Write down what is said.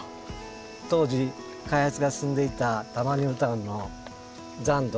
当時開発が進んでいた多摩ニュータウンの残土残った土ですね